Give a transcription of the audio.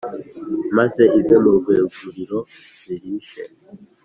maze ive mu rwêguriro zirishe.